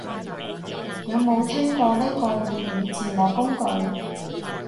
有冇聽過呢個粵語字幕工具